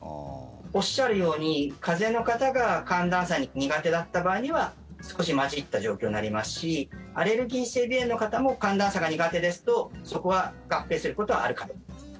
おっしゃるように風邪の方が寒暖差が苦手だった場合には少し混じった状況になりますしアレルギー性鼻炎の方も寒暖差が苦手ですとそこは合併することはあるかと思います。